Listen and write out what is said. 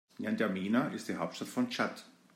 N’Djamena ist die Hauptstadt von Tschad.